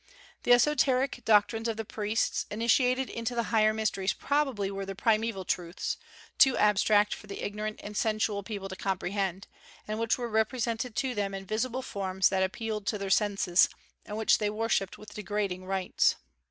The esoteric doctrines of the priests initiated into the higher mysteries probably were the primeval truths, too abstract for the ignorant and sensual people to comprehend, and which were represented to them in visible forms that appealed to their senses, and which they worshipped with degrading rites.